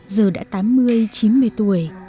giờ đã tám mươi chín mươi tuổi